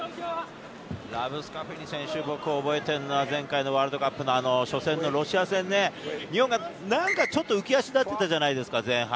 ラブスカフニ選手、僕が覚えているのは前回のワールドカップの初戦のロシア戦で日本が何か浮き足立っていたじゃないですか、前半。